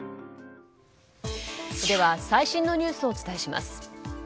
では最新のニュースをお伝えします。